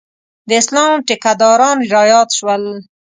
د اسلام ټیکداران رایاد شول.